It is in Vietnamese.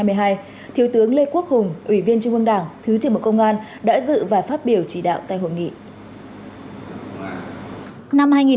thiếu tướng lê quốc hùng ủy viên trung ương đảng thứ trưởng bộ công an đã dự và phát biểu chỉ đạo tại hội nghị